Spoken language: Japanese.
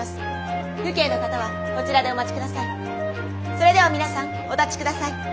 それでは皆さんお立ちください。